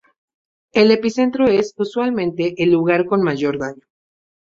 El epicentro es usualmente el lugar con mayor daño.